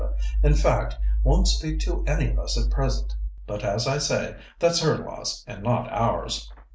in fact, won't speak to any of us at present. But, as I say, that's her loss and not ours.